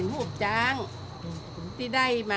ตอนนี้ก็ไม่มีเวลามาเที่ยวกับเวลา